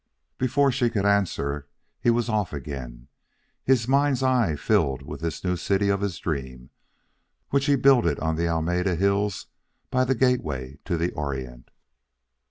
Before she could answer, he was off again, his mind's eye filled with this new city of his dream which he builded on the Alameda hills by the gateway to the Orient.